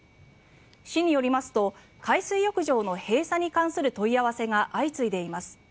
市によりますと海水浴場の閉鎖に関する問い合わせが相次いでいます。